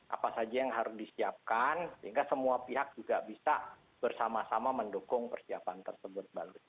apa saja yang harus disiapkan sehingga semua pihak juga bisa bersama sama mendukung persiapan tersebut